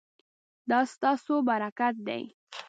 دا ستاسو برکت دی